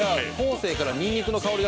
生からにんにくの香りが。